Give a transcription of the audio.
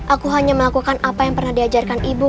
aku hanya melakukan apa yang pernah diajarkan ibu